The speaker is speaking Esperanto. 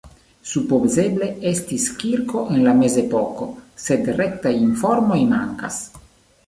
Supozeble estis kirko en la mezepoko, sed rektaj informoj mankas.